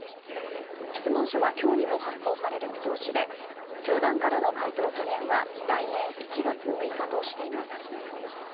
質問書は今日にも発送される見通しで教団からの回答期限は来年１月６日としています。